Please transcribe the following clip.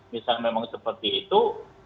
misalnya memang seperti itu